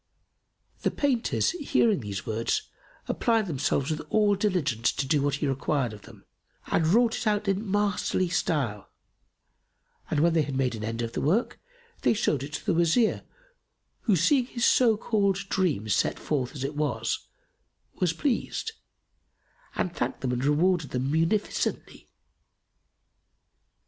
The painters, hearing these words, applied themselves with all diligence to do what he required of them and wrought it out in masterly style; and when they had made an end of the work, they showed it to the Wazir who, seeing his so called dream set forth as it was[FN#280] was pleased and thanked them and rewarded them munificently.